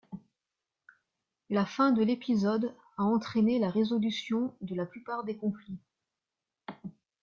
La fin de l'épisode a entraîné la résolution de la plupart des conflits.